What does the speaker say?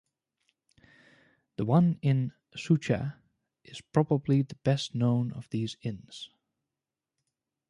The one in Sucha is probably the best known of these inns.